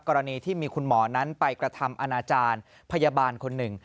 กรณีที่มีคุณหมอนั้นไปกระทำอนาจารย์พยาบาลคนหนึ่ง